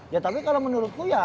ya tapi kalau menurutku ya